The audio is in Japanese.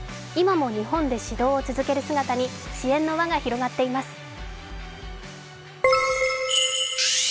今も日本で指導を続ける姿に支援の輪が広がっています。